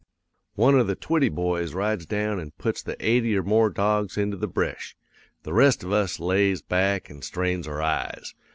"'One of the Twitty boys rides down an' puts the eighty or more dogs into the bresh. The rest of us lays back an' strains our eyes.